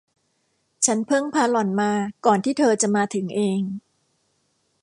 ฉันเพิ่งพาหล่อนมาก่อนที่เธอจะมาถึงเอง